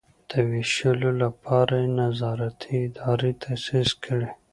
د ویشلو لپاره یې نظارتي ادارې تاسیس کړي.